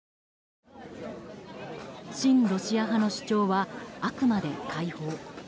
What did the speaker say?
親ロシア派の主張はあくまで解放。